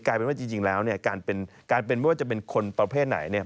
กลายเป็นว่าจริงแล้วเนี่ยการเป็นการเป็นไม่ว่าจะเป็นคนประเภทไหนเนี่ย